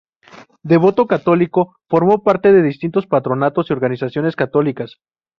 Devoto católico, formó parte de distintos patronatos y organizaciones católicas.